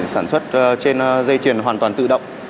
sản xuất trên dây chuyền hoàn toàn tự động